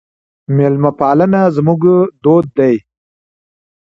میلمه پالنه زموږ دود دی.